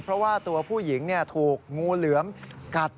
เพราะว่าตัวผู้หญิงถูกงูเหลือมกัด